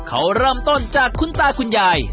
เขาเริ่มต้นจากคุณตาคุณยาย